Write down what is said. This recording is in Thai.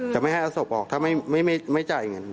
ไม่ให้เอาศพออกถ้าไม่จ่ายเงิน